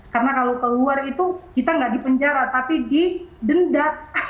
karena kalau keluar itu kita nggak di penjara tapi di denda